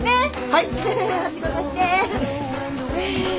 はい。